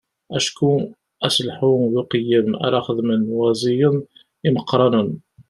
Acku aselḥu d uqeyyem ara xedmen waẓiyen imeqqranen.